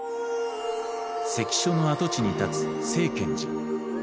関所の跡地に立つ清見寺。